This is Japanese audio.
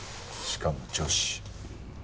しかも女子。